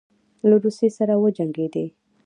له روسیې سره وجنګېدی.